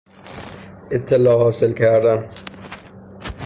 اطلاع حاصل کردن